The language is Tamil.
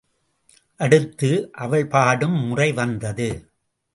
அடுத்து அவள் பாடும் முறை வந்தது.